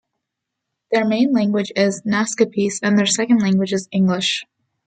Their main language is Naskapis and their second language is English.